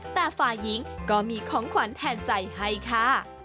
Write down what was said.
แต่ฝ่ายหญิงก็มีของขวัญแทนใจให้ค่ะ